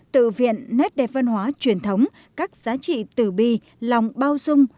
tự viện nét đẹp văn hóa truyền thống các giá trị tử bi lòng bao dung